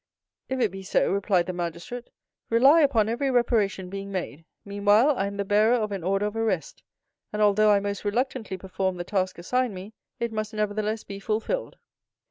"If it be so," replied the magistrate, "rely upon every reparation being made; meanwhile, I am the bearer of an order of arrest, and although I most reluctantly perform the task assigned me, it must, nevertheless, be fulfilled.